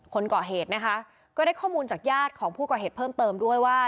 คนก่อเหตุนะคะก็ได้ข้อมูลจากญาติของผู้ก่อเหตุเพิ่มเติมด้วยว่า